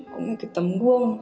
cũng là cái tấm đuông